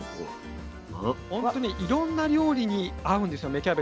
ほんとにいろんな料理に合うんですよ芽